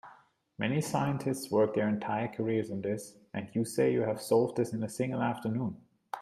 Many scientists work their entire careers on this, and you say you have solved this in a single afternoon?